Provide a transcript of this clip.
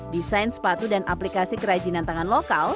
desain sepatu dan aplikasi kerajinan tangan lokal